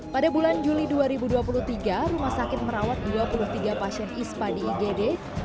pada bulan juli dua ribu dua puluh tiga rumah sakit merawat dua puluh tiga pasien ispa di igd